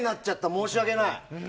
申し訳ない。